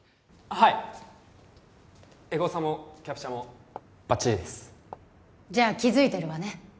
はいエゴサもキャプチャもバッチリですじゃあ気づいてるわね